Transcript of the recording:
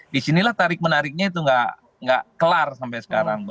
disinilah tarik menariknya itu nggak kelar sampai sekarang